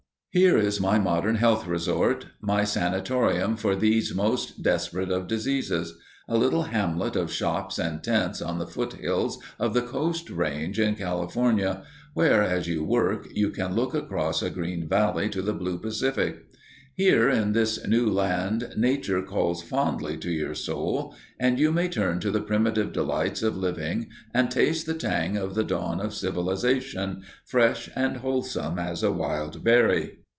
Here is my modern health resort, my sanitorium for these most desperate of diseases; a little hamlet of shops and tents on the foothills of the Coast Range in California, where as you work you can look across a green valley to the blue Pacific. Here in this new land nature calls fondly to your soul, and you may turn to the primitive delights of living and taste the tang of the dawn of civilization, fresh and wholesome as a wild berry.